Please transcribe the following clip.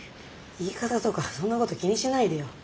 言い方とかそんなこと気にしないでよ。